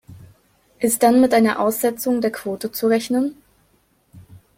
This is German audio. Ist dann mit einer Aussetzung der Quote zu rechnen?